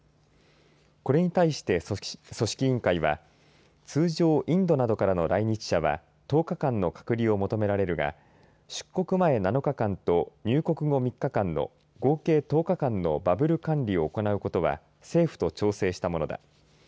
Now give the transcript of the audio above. これに対して、組織委員会は通常インドなどからの来日者は１０日間の隔離を求められるが出国前７日間と入国後３日間の合計１０日間のバブル管理を行うことは政府と調整したものだ。